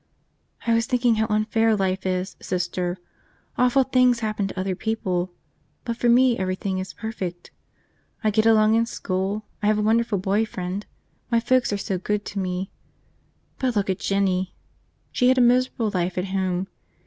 "I was thinking how unfair life is, Sister. Awful things happen to other people, but for me everything is perfect. I get along in school, I have a wonderful boy friend, my folks are so good to me – but look at Jinny! She had a miserable life at home.